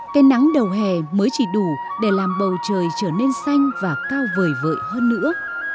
cây nắng đầu hè mới chỉ đủ để làm bầu trời trở nên xanh và cao vời vợi hơn nữa